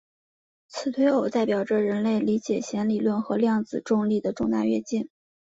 此对偶代表着人类理解弦理论和量子重力的重大跃进。